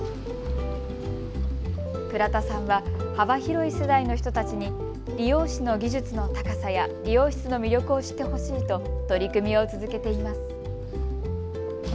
倉田さんは幅広い世代の人たちに理容師の技術の高さや理容室の魅力を知ってほしいと取り組みを続けています。